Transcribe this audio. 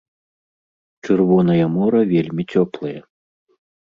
Чырвонае мора вельмі цёплае.